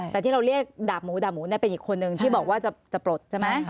แต่ที่เรียกดาบหมูดาบหมูเป็นอีกคนนึงที่บอกว่าจะปรด